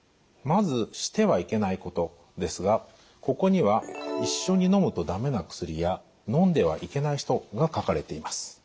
まず「してはいけないこと」ですがここには一緒にのむとだめな薬やのんではいけない人が書かれています。